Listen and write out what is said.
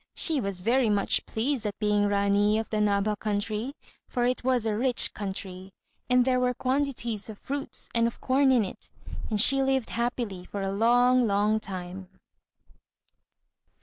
She was very much pleased at being Rání of the Nabha country; for it was a rich country, and there were quantities of fruits and of corn in it. And she lived happily for a long, long time.